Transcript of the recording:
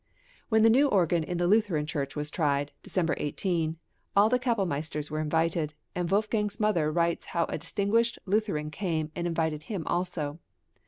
When the new organ in the Lutheran Church was tried (December 18) all the kapellmeisters were invited, and Wolfgang's mother writes how a distinguished Lutheran came and invited him also.